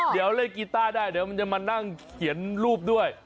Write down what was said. เดี๋ยวเล่นกีต้าได้เดี๋ยวมันจะมานั่งเขียนรูปด้วย